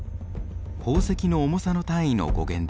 宝石の重さの単位の語源です。